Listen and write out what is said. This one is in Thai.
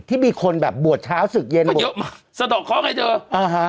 ที่มีคนแบบบวชเช้าศึกเย็นมาเยอะมากสะดอกเคาะไงเธออ่าฮะ